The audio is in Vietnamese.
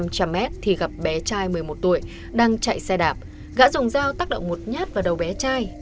năm trăm linh m thì gặp bé trai một mươi một tuổi đang chạy xe đạp đã dùng dao tác động một nhát vào đầu bé trai